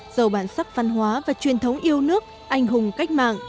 giàu bản sắc văn hóa và truyền thống yêu nước anh hùng cách mạng